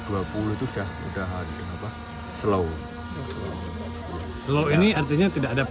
slow ini artinya tidak ada pekerjaan sama sekali sekarang